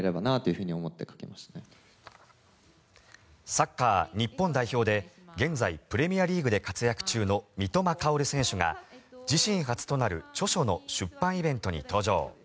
サッカー日本代表で現在プレミアリーグで活躍中の三笘薫選手が自身初となる著書の出版イベントに登場。